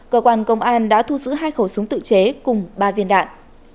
cơ quan công an đã thu giữ hai khẩu súng tự chế cùng ba viên đạn